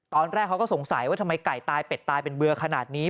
ตอนแรกเขาก็สงสัยว่าทำไมไก่ตายเป็ดตายเป็นเบื่อขนาดนี้